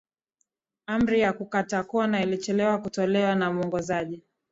amri ya kukatakona ilichelewa kutolewa na muongozaji